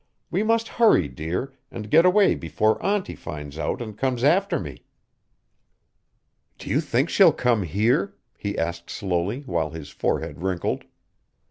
We must hurry, dear, and get away before auntie finds out and comes after me." "Do you think she'll come here?" he asked slowly, while his forehead wrinkled.